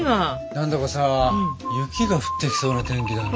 何んだかさ雪が降ってきそうな天気だな。